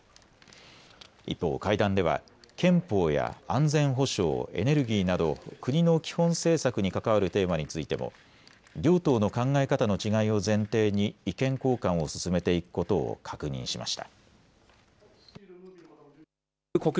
一方、会談では憲法や安全保障、エネルギーなど国の基本政策に関わるテーマについても両党の考え方の違いを前提に意見交換を進めていくことを確認しました。